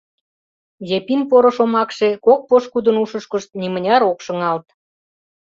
Епин поро шомакше кок пошкудын ушышкышт нимыняр ок шыҥалт.